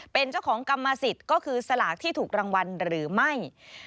เป็นเจ้าของกรรมสิทธิ์ก็คือสลากที่ถูกรางวัลหรือไม่